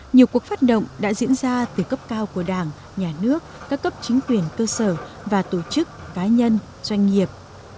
nhiều cuộc phát động đã diễn ra từ cấp cao của đảng nhà nước các cấp chính quyền cơ sở và tổ chức cá nhân doanh nghiệp